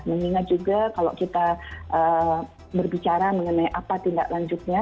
mengingat juga kalau kita berbicara mengenai apa tindak lanjutnya